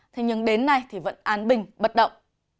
thế nhưng đến nay thì vẫn an bình bất động